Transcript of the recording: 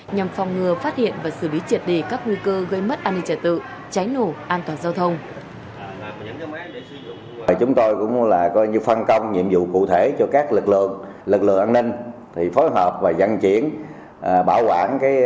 nhằm phòng ngừa phát hiện và xử lý triệt đề các nguy cơ gây mất an ninh trật tự cháy nổ an toàn giao thông